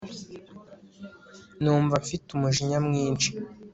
numva mfite umujinya mwinshi